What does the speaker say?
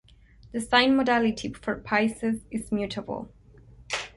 The sign modality for Pisces is mutable.